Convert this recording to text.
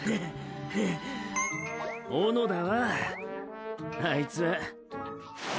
小野田はあいつは。